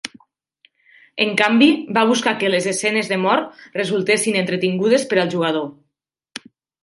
En canvi, va buscar que les escenes de mort resultessin entretingudes per al jugador.